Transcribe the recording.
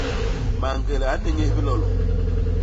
Mañgele a nnéñés bilolo.